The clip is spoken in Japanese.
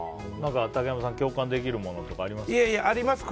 竹山さん共感できるものありますか？